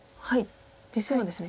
実戦はですね